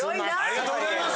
ありがとうございます！